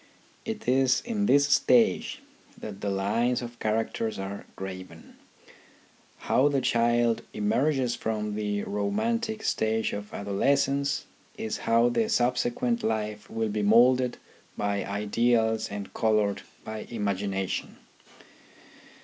It is in this stage that the lines of character are graven. How the child emerges from the romantic stage of adolescence is how the subsequent life will be moulded by ideals and coloured by imagination.